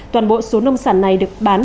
toàn bộ số nông sản này được bán